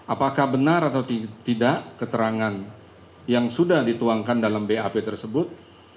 apakah benar atau tidak keterangan yang sudah dituangkan dalam bap tersebut